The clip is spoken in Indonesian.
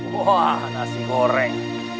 wah nasi goreng